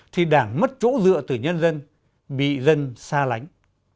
thì đảng mất chỗ dựa từ nhân dân bị dân xa lánh